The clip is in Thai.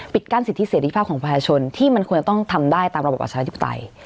กั้นสิทธิเสรีภาพของประชาชนที่มันควรต้องทำได้ตามระบบประชาธิปไตย